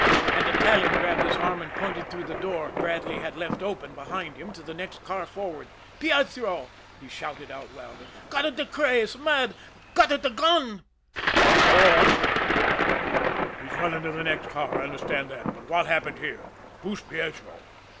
An Italian grabbed his arm and pointed through the door Bradley had left open behind him to the next car forward. "Pietro!" he shouted out wildly. "Gotta da craze mad gotta da gun!" "Well, go on!" prodded Bradley. "He's run into the next car. I understand that but what happened here? Who's Pietro?"